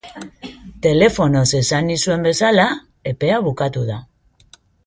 Telefonoz esan nizuen bezala, epea bukatu da.